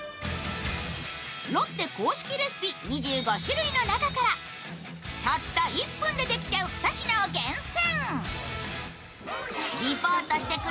ロッテ公式レシピ２５種類の中からたった１分でできちゃう２品を厳選。